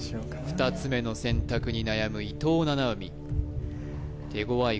２つ目の選択に悩む伊藤七海手ごわい